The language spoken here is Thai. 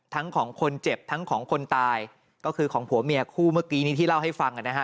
ของคนเจ็บทั้งของคนตายก็คือของผัวเมียคู่เมื่อกี้นี้ที่เล่าให้ฟังนะฮะ